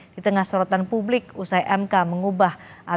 di tengah sorotan publik usai mk mengubah